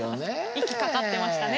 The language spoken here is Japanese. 息かかってましたね